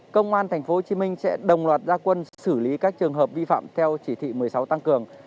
công an thành phố hồ chí minh sẽ đồng loạt gia quân xử lý các trường hợp vi phạm theo chỉ thị một mươi sáu tăng cường